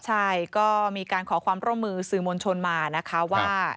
ใช่ก็มีการขอความร่วมมือสื่อมวลชนมานะคะว่า